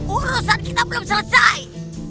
urusan kita belum selesai